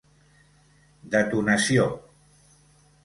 Detonació: